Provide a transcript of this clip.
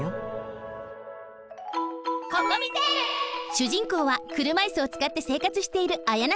主人公は車いすをつかって生活しているあやなさん。